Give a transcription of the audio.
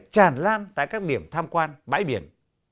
trong bãi biển